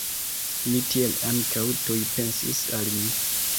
Mi tiel ankaŭ tuj pensis al mi!